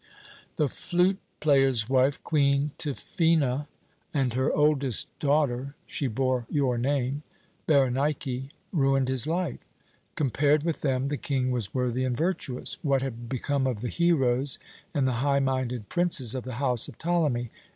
"The flute player's wife, Queen Tryphœna, and her oldest daughter she bore your name, Berenike ruined his life. Compared with them, the King was worthy and virtuous. What had become of the heroes and the high minded princes of the house of Ptolemy?